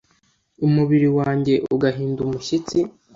umubiri wanjye ugahinda umushyitsi